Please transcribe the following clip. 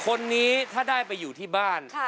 คนนี้ถ้าได้ไปอยู่ที่บ้าน